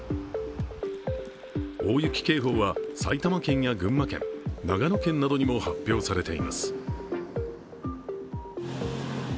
大雪警報は、埼玉県や群馬県、長野県などにも発表されています。